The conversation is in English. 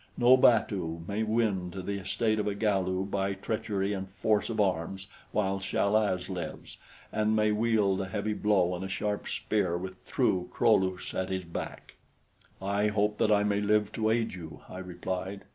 No batu may win to the estate of a Galu by treachery and force of arms while Chal az lives and may wield a heavy blow and a sharp spear with true Kro lus at his back!" "I hope that I may live to aid you," I replied.